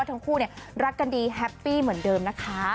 ทั้งคู่รักกันดีแฮปปี้เหมือนเดิมนะคะ